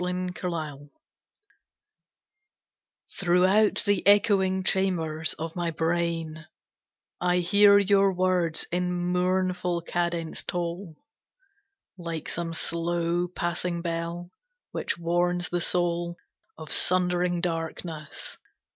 The End Throughout the echoing chambers of my brain I hear your words in mournful cadence toll Like some slow passing bell which warns the soul Of sundering darkness.